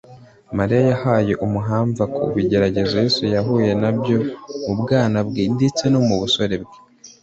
Mariya yabaye umuhamva ku bigeragezo Yesu yahuye na byo mu bwana bwe ndetse no mu busore bwe.